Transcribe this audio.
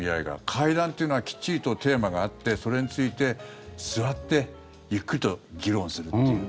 会談というのはきっちりとテーマがあってそれについて座ってゆっくりと議論するという。